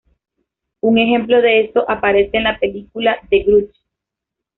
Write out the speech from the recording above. Un ejemplo de esto aparece en la película "The Grudge".